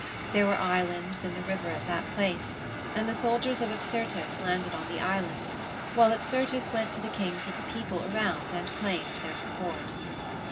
There were islands in the river at that place, and the soldiers of Apsyrtus landed on the islands, while Apsyrtus went to the kings of the people around and claimed their support.